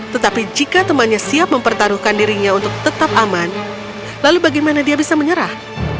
tetapi jika temannya siap mempertaruhkan dirinya untuk tetap aman lalu bagaimana dia bisa menyerah